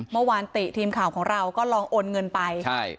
เมื่อวานติทีมข่าวของเราก็ลองโอนเงินไปใช่